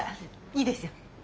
いいですよ。